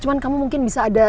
cuma kamu mungkin bisa ada